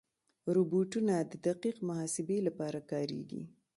روبوټونه د دقیق محاسبې لپاره کارېږي.